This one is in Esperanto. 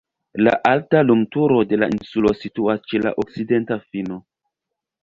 La alta lumturo de la insulo situas ĉe la okcidenta fino.